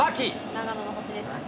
長野の星です。